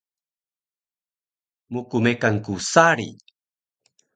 Mkmekan ku sari